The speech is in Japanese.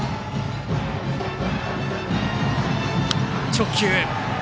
直球。